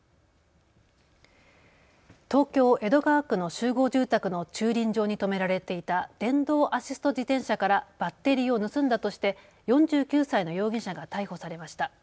東京江戸川区の集合住宅の駐輪場にとめられていた電動アシスト自転車からバッテリーを盗んだとして４９歳の容疑者が逮捕されました。